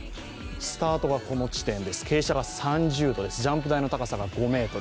スタートがこの地点です、傾斜が３０度、ジャンプ台の高さが５ｍ。